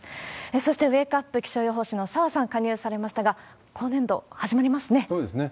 そしてウェークアップ、気象予報士の澤さん、加入されましたが、そうですね。